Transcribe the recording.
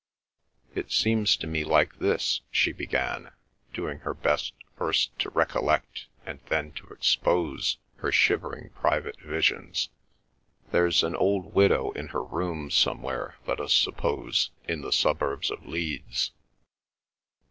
"It seems to me like this," she began, doing her best first to recollect and then to expose her shivering private visions. "There's an old widow in her room, somewhere, let us suppose in the suburbs of Leeds."